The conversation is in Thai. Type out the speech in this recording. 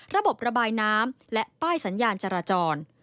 ระบบระบายน้ำและป้ายสัญญาณจราจร